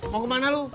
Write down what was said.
mau kemana lu